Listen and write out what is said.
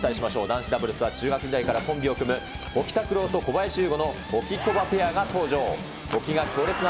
男子ダブルスは、中学時代からコンビを組む、保木卓朗と小林優吾のホキコバペアが登場。